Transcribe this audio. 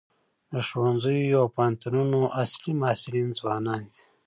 د ښوونځیو او پوهنتونونو اصلي محصلین ځوانان دي.